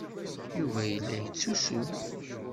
Yuba yella yettusu.